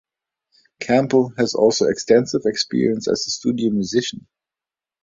Campbell also has extensive experience as a studio musician.